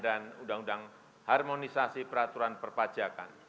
dan undang undang harmonisasi peraturan perpajakan